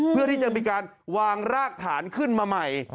เพื่อที่จะมีการวางรากฐานขึ้นมาใหม่